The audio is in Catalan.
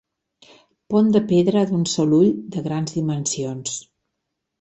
Pont de pedra d'un sol ull de grans dimensions.